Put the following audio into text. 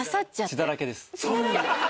血だらけです。